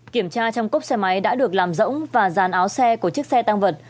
kiểm tra trong cốc xe máy đã được làm rỗng và ràn áo xe của chiếc xe tăng vật